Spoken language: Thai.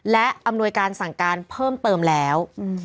และอำนวยการสั่งการเพิ่มเติมแล้ว